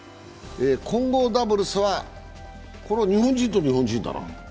混合ダブルスは日本人と日本人だな。